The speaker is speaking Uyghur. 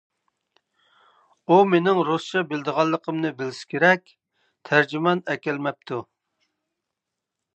ئۇ مېنىڭ رۇسچە بىلىدىغانلىقىمنى بىلسە كېرەك، تەرجىمان ئەكەلمەپتۇ.